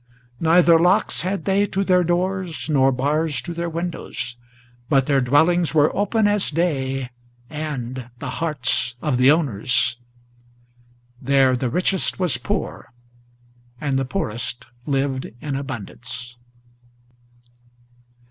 Neither locks had they to their doors, nor bars to their windows; But their dwellings were open as day and the hearts of the owners; There the richest was poor, and the poorest lived in abundance.